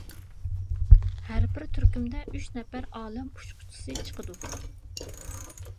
ھەربىر تۈركۈمدە ئۈچ نەپەردىن ئالەم ئۇچقۇچىسى چىقىدۇ.